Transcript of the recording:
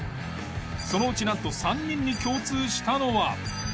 そのうちなんと３人に共通したのは。